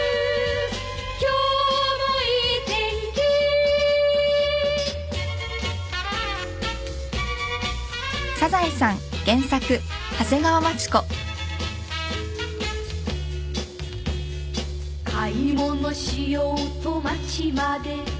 「今日もいい天気」「買い物しようと街まで」